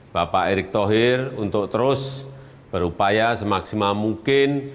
bapak erick thohir untuk terus berupaya semaksimal mungkin